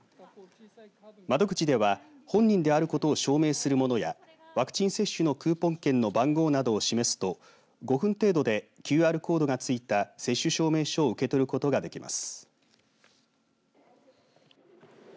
窓口では本人であることを証明するものやワクチン接種のクーポン券の番号などを示すと５分程度でＱＲコードがついた接種証明書を受け取ることができます。